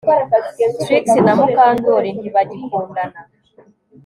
Trix na Mukandoli ntibagikundana